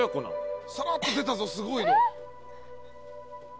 さらっと出たぞすごいの。